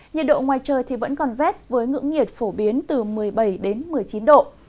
nhiệt độ ngoài trời vẫn còn rét với ngưỡng nhiệt phổ biến từ một mươi bảy đến một mươi chín độ